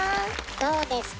どうですか？